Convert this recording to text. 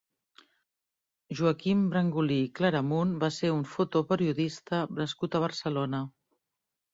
Joaquim Brangulí i Claramunt va ser un fotoperiodista nascut a Barcelona.